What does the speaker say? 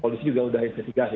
polisi juga sudah investigasi